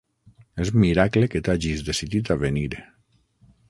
És miracle que t'hagis decidit a venir!